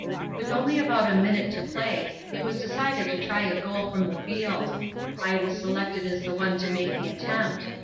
"With only about a minute to play it was decided to try a goal from the field. I was selected as the one to make the attempt.